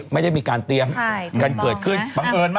ไม่ได้มีการเตรียมการเกิดขึ้นใช่ถูกต้องนะ